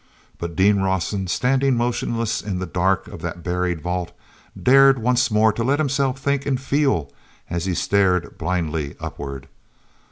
But Dean Rawson, standing motionless in the darkness of that buried vault, dared once more to let himself think and feel as he stared blindly upward.